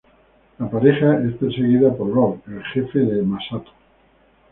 La pareja es perseguida por Rock, el jefe de Masato.